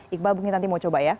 iqbal mungkin nanti mau coba ya